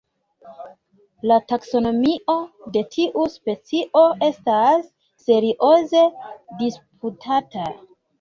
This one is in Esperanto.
La taksonomio de tiu specio estas serioze disputata.